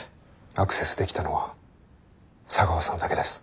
アクセスできたのは茶川さんだけです。